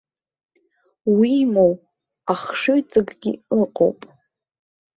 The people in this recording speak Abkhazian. Уимоу, ахшыҩҵакгьы ыҟоуп.